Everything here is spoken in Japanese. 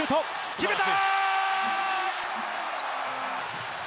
決めた！